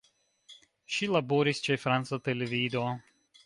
Ŝi laboris ĉe franca televido.